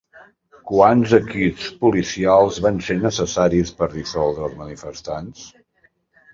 Quants equips policials van ser necessaris per dissoldre els manifestants?